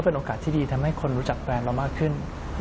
เป็นโอกาสที่ดีทำให้คนรู้จักแฟนเรามากขึ้น